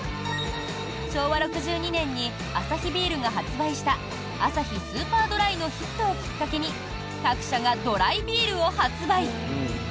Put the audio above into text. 昭和６２年にアサヒビールが発売したアサヒスーパードライのヒットをきっかけに各社がドライビールを発売。